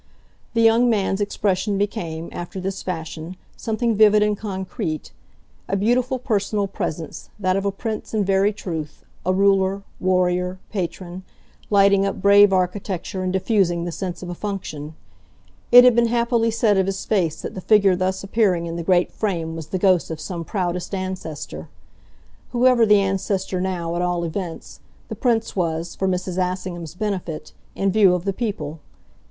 The young man's expression became, after this fashion, something vivid and concrete a beautiful personal presence, that of a prince in very truth, a ruler, warrior, patron, lighting up brave architecture and diffusing the sense of a function. It had been happily said of his face that the figure thus appearing in the great frame was the ghost of some proudest ancestor. Whoever the ancestor now, at all events, the Prince was, for Mrs. Assingham's benefit, in view of the people.